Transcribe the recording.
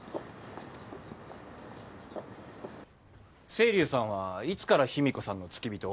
青龍さんはいつから秘美子さんの付き人を？